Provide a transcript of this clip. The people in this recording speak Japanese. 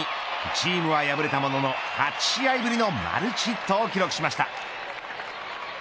チームは敗れたものの８試合ぶりのマルチヒットを記録しました。